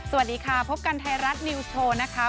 สวัสดีค่ะพบกันไทยรัฐนิวส์โชว์นะคะ